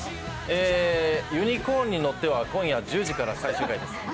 「ユニコーンに乗って」は今夜１０時から最終回です。